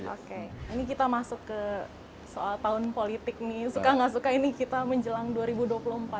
oke ini kita masuk ke soal tahun politik nih suka nggak suka ini kita menjelang dua ribu dua puluh empat